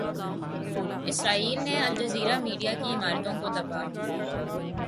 اسرائیل نے Al Jazeera media کی عمارتوں کو تباہ